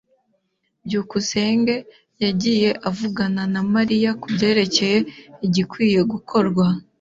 byukusenge yagiye avugana na Mariya kubyerekeye igikwiye gukorwa.